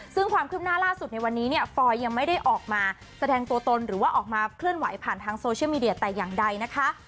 ซึ่งความคืบหน้าล่าสุดในวันนี้เนี่ยฟอยยังไม่ได้ออกมาแสดงตัวตนหรือว่าออกมาเคลื่อนไหวผ่านทางโซเชียลมีเดียแต่อย่างใดนะคะ